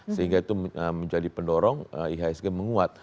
sehingga itu menjadi pendorong ihsg menguat